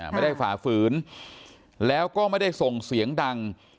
ฝ่าฝืนแล้วก็ไม่ได้ส่งเสียงดัง